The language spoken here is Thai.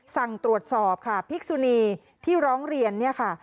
สั่งตรวจสอบค่ะพิกษุนีที่ร้องเรียนเนี่ยค่ะ